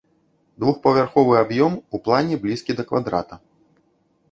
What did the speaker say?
Двухпавярховы аб'ём, у плане блізкі да квадрата.